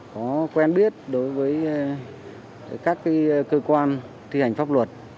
có quen biết đối với các cơ quan thi hành pháp luật